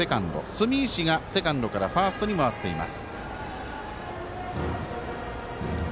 住石がセカンドからファーストに回っています。